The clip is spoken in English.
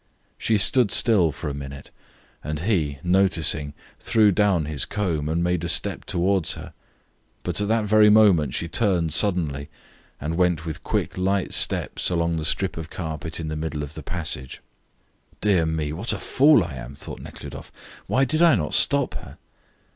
She stood still for a minute, and he, noticing it, threw down his comb and made a step towards her, but at that very moment she turned suddenly and went with quick light steps along the strip of carpet in the middle of the passage. "Dear me, what a fool I am," thought Nekhludoff. "Why did I not stop her?"